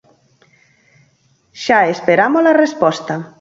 Xa esperamos a resposta.